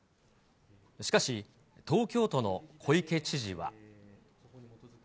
しかし、東京都の小池知事は。